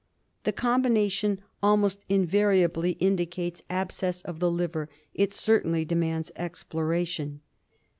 This combination almost invariably indicates abscess of the liver; it certainly demands exploration.